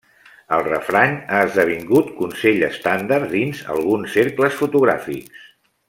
El refrany ha esdevingut consell estàndard dins alguns cercles fotogràfics.